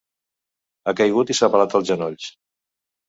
Ha caigut i s'ha pelat els genolls.